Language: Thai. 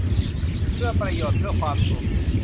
เพื่อประโยชน์ เพื่อความสุข